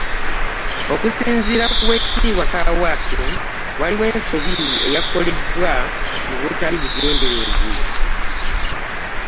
Okusinziira ku Oweekitiibwa Kaawaase, waliwo ensobi eyakolebwa mu butali bugenderevu